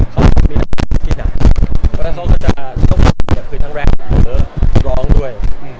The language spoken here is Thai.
พี่หน่ายเพราะว่าเขาก็จะต้องเตรียมขึ้นทั้งแร็ปหรือร้องด้วย